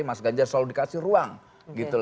mas ganjar selalu dikasih ruang